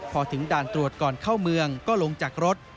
พอถึงด่านตรวจก่อนเข้าเมืองก็ลงจากรถ